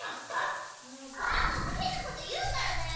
バンバンがへんなこというからだよ。